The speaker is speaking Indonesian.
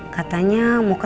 katanya enggak mau makan